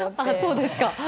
ああそうですか。